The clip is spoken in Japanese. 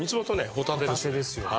ホタテですよね。